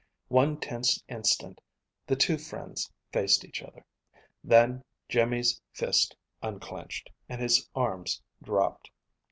One tense instant the two friends faced each other. Then Jimmy's fist unclenched, and his arms dropped.